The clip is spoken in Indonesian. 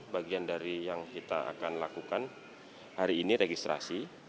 bagian dari yang kita akan lakukan hari ini registrasi